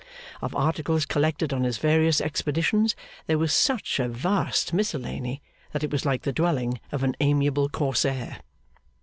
Of articles collected on his various expeditions, there was such a vast miscellany that it was like the dwelling of an amiable Corsair.